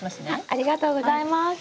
ありがとうございます。